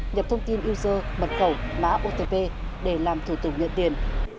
nhập thông tin user mật khẩu mã otp để làm thủ tục nhận tiền